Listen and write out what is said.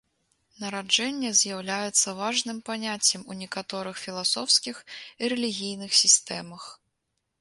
Нараджэнне з'яўляецца важным паняццем у некаторых філасофскіх і рэлігійных сістэмах.